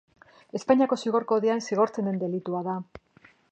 Espainiako Zigor Kodean zigortzen den delitua da.